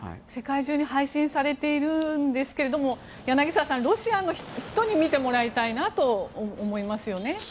世界中に配信されているんですけれども柳澤さん、ロシアの人に見てもらいたいなと思いますね。